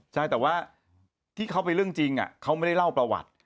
ใช่แต่ว่าที่เขาไปเรื่องจริงเขาไม่ได้เล่าประวัติ